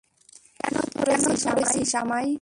কেন ধরেছিস আমায়?